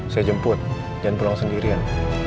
saya jemput dan pulang sendirian